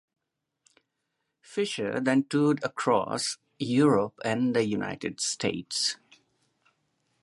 Fischer then toured across Europe and the United States.